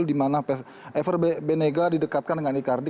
di mana ever benega didekatkan dengan icardi